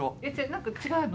何か違うの。